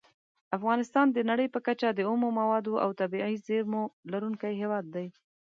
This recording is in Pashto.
افغانستان د نړۍ په کچه د اومو موادو او طبیعي زېرمو لرونکی هیواد دی.